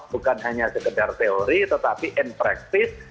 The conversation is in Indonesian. bukan hanya sekedar teori tetapi in practice